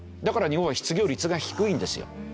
だから日本は失業率が低いんですよ。